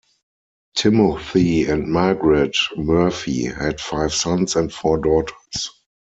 Timothy and Margaret Murphy had five sons and four daughters.